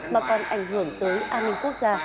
mà còn ảnh hưởng tới an ninh quốc gia